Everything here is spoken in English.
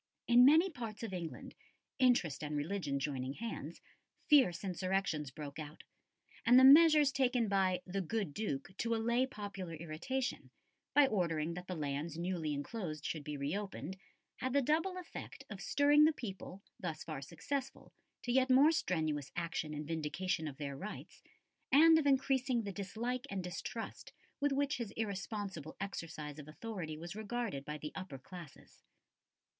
In many parts of England, interest and religion joining hands, fierce insurrections broke out, and the measures taken by "the good Duke" to allay popular irritation, by ordering that the lands newly enclosed should be re opened, had the double effect of stirring the people, thus far successful, to yet more strenuous action in vindication of their rights, and of increasing the dislike and distrust with which his irresponsible exercise of authority was regarded by the upper classes.